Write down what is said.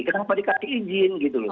kenapa dikasih izin gitu loh